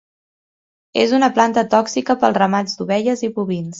És una planta tòxica pels ramats d'ovelles i bovins.